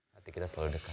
hati kita selalu dekat